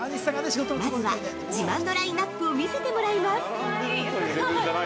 まずは、自慢のラインナップを見せてもらいます！